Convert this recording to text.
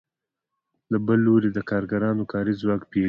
له بل لوري د کارګرانو کاري ځواک پېري